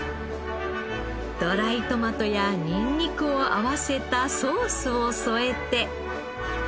ドライトマトやニンニクを合わせたソースを添えて。